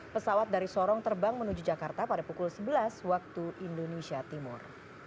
pesawat dari sorong terbang menuju jakarta pada pukul sebelas waktu indonesia timur